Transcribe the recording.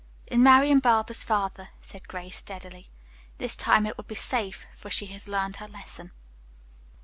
"In Marian Barber's father," said Grace steadily. "This time it will be safe, for she has learned her lesson."